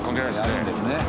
やるんですね。